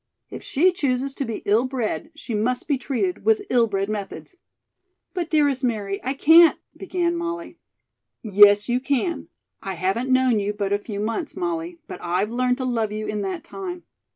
If she chooses to be ill bred, she must be treated with ill bred methods." "But, dearest Mary, I can't " began Molly. "Yes, you can. I haven't known you but a few months, Molly, but I've learned to love you in that time.